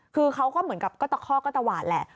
คือเขาก็เหมือนกับก็ตะคอกก็ตะหวาดแหละ